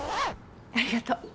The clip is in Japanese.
ありがとう。